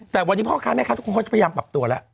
แต่วันนี้พ่อคะแม่คะคงค่อยทำปรับตัวล่ะ